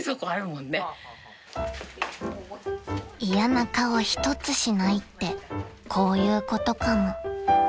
［嫌な顔ひとつしないってこういうことかも］